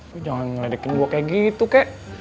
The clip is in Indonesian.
lo jangan ngeledekin gua kayak gitu kek